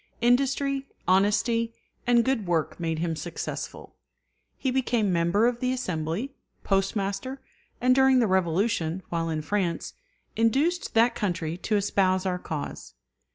Industry, honesty, and good work made him successful. He became member of the Assembly, Postmaster, and during the Revolution, while in France, induced that country to espouse our cause.